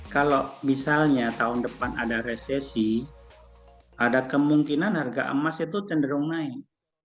kalau misalnya tahun depan ada resesi ada kemungkinan harga emas itu cenderung naik